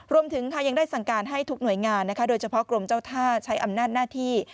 รวมถึงยังได้สั่งการให้ทุกหน่วยงานโดยเฉพาะกรมเจ้าท่าใช้อำนาจหน้าที่